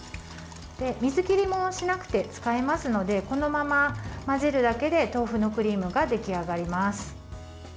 水切りもしなくて使えますのでこのまま混ぜるだけで豆腐のクリームが出来上がります。